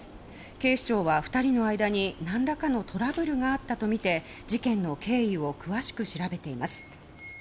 警視庁は２人の間に何らかのトラブルがあったとみて事件の経緯を詳しく調べています。